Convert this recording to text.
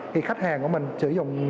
thì khách hàng của mình sử dụng